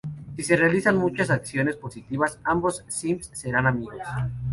Si se realizan muchas acciones positivas, ambos Sims serán amigos.